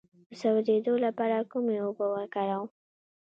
د سوځیدو لپاره کومې اوبه وکاروم؟